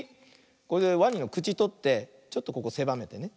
これでワニのくちとってちょっとここせばめてね